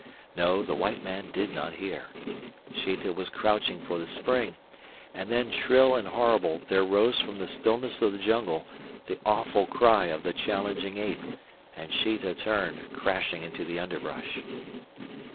No, the white man did not hear. Sheeta was crouching for the spring, and then, shrill and horrible, there rose from the stillness of the jungle the awful cry of the challenging ape, and Sheeta turned, crashing into the underbrush.